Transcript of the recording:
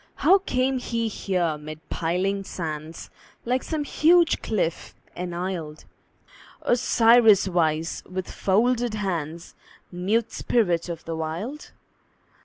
How came he here mid piling sands, Like some huge cliff enisled, Osiris wise, with folded hands, Mute spirit of the Wild?